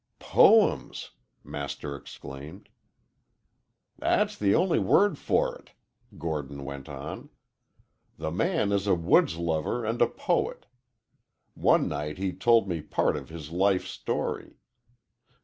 "Poems!" Master exclaimed. "That's the only word for it," Gordon went on. "The man is a woods lover and a poet. One night he told me part of his life story.